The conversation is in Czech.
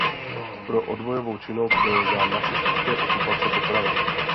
Pro odbojovou činnost byl za nacistické okupace popraven.